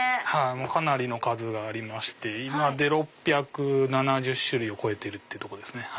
かなりの数がありまして６７０種類を超えてるってとこですね。